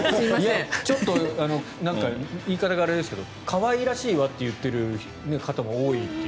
ちょっと言い方があれですけど可愛らしいわと言っている方も多いという。